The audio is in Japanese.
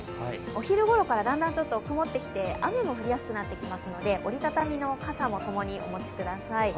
お昼頃からだんだん曇ってきて、雨も降りやすくなってきますので、折り畳みの傘も共にお持ちください。